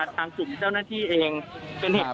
เหลือเพียงกลุ่มเจ้าหน้าที่ตอนนี้ได้ทำการแตกกลุ่มออกมาแล้วนะครับ